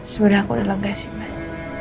sebenernya aku udah legasius mas